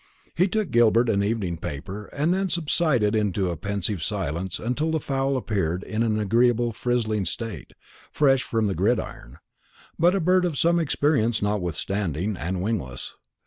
He took Gilbert an evening paper, and then subsided into a pensive silence until the fowl appeared in an agreeable frizzling state, fresh from the gridiron, but a bird of some experience notwithstanding, and wingless.